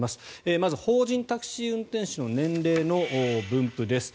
まず法人タクシー運転手の年齢の分布です。